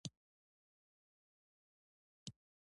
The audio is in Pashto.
کوم یو ښه و؟